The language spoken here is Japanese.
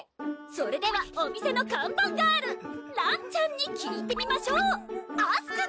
それではお店の看板ガールらんちゃんに聞いてみましょうアスク！